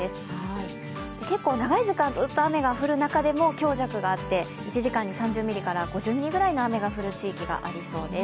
結構長い時間雨が降る中でも強弱があって１時間に３０ミリから５０ミリぐらいの雨が降る地域がありそうです。